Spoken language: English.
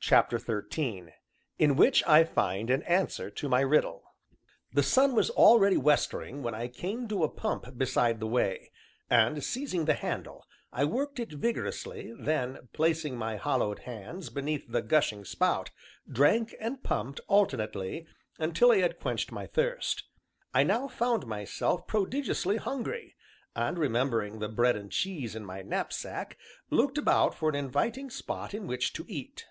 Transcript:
CHAPTER XIII IN WHICH I FIND AN ANSWER TO MY RIDDLE The sun was already westering when I came to a pump beside the way; and seizing the handle I worked it vigorously, then, placing my hollowed hands beneath the gushing spout, drank and pumped, alternately, until I had quenched my thirst. I now found myself prodigiously hungry, and remembering the bread and cheese in my knapsack, looked about for an inviting spot in which to eat.